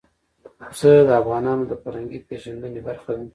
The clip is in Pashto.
پسه د افغانانو د فرهنګي پیژندنې برخه ده.